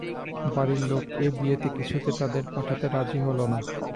বাড়ির লোক এ-বিয়েতে কিছুতে তাদের পাঠাতে রাজি হল না।